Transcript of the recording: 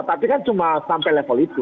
tapi kan cuma sampai level itu